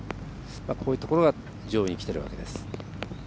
こういうところが上位にきているわけです。